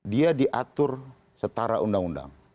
dia diatur setara undang undang